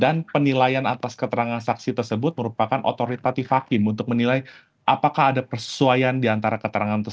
dan penilaian atas keterangan saksi tersebut merupakan otoritatif hakim untuk menilai apakah ada persesuaian di antara keterangan